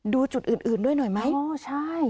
ดูจุดอื่นด้วยหน่อยไหม